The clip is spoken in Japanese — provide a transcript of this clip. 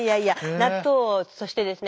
納豆をそしてですね